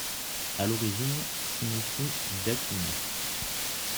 À l'origine, signifie dakini.